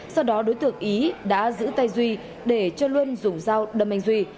sau đó đối tượng ý đã giữ tay duy để cho luân dùng dao đâm anh duy